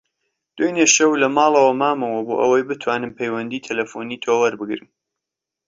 دوێنێ شەو لە ماڵەوە مامەوە بۆ ئەوەی بتوانم پەیوەندیی تەلەفۆنیی تۆ وەربگرم.